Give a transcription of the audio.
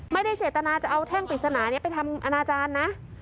ไม่ได้เจตนาจะเอาแท่งปริศนานี้ไปทำอนาจารย์นะ